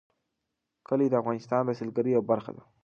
کلي د افغانستان د سیلګرۍ یوه برخه ده.